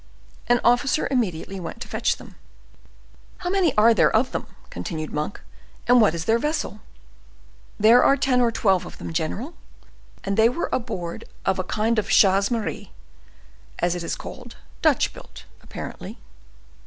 An officer immediately went to fetch them. "How many are there of them?" continued Monk; "and what is their vessel?" "There are ten or twelve of them, general, and they were aboard of a kind of chasse maree, as it is called—Dutch built, apparently."